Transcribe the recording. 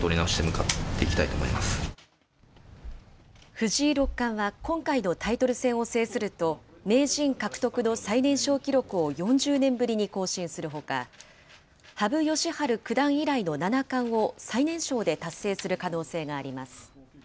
藤井六冠は今回のタイトル戦を制すると、名人獲得の最年少記録を４０年ぶりに更新するほか、羽生善治九段以来の七冠を最年少で達成する可能性があります。